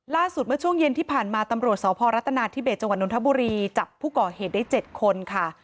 เมื่อช่วงเย็นที่ผ่านมาตำรวจสพรัฐนาธิเบสจังหวัดนทบุรีจับผู้ก่อเหตุได้๗คนค่ะ